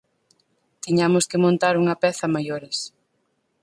Tiñamos que montar unha peza a maiores.